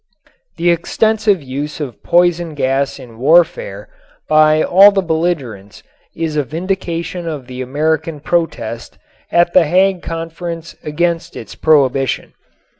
The extensive use of poison gas in warfare by all the belligerents is a vindication of the American protest at the Hague Conference against its prohibition.